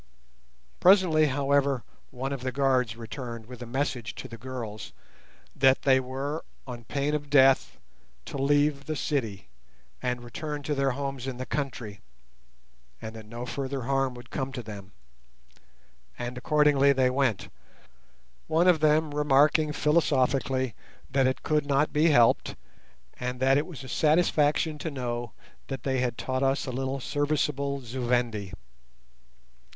Presently, however, one of the guards returned with a message to the girls that they were, on pain of death, to leave the city and return to their homes in the country, and that no further harm would come to them; and accordingly they went, one of them remarking philosophically that it could not be helped, and that it was a satisfaction to know that they had taught us a little serviceable Zu Vendi.